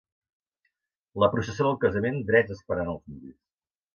La processó del casament drets esperant els nuvis.